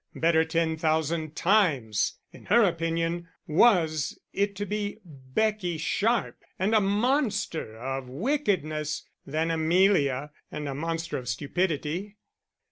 Better ten thousand times, in her opinion, was it to be Becky Sharp and a monster of wickedness than Amelia and a monster of stupidity.